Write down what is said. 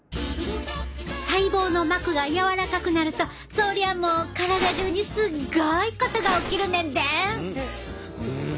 細胞の膜が柔らかくなるとそりゃもう体中にすっごいことが起きるねんで！